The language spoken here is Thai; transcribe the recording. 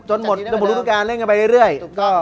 จัดทีมให้เรื่องลุกละการเล่นไว้เรื่อย